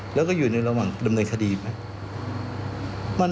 แล้วก็อยู่ในระหว่างดำเนินคดีไหม